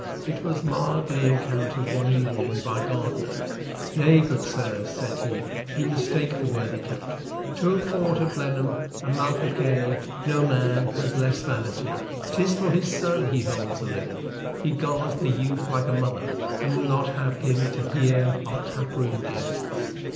It was mildly encountered one evening by Gardiner, "Nay, good sirs," said he, "you mistake the worthy Captain. To have fought at Blenheim and Malplaquet, no man has less vanity. 'Tis for his son he holds aloof. He guards the youth like a mother, and will not have him to hear our tap room jests.